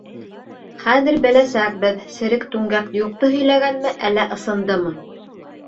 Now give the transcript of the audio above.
— Хәҙер беләсәкбеҙ, Серек Түңгәк юҡты һөйләгәнме, әллә ысындымы.